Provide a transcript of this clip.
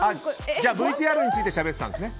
ＶＴＲについてしゃべっていたんですね？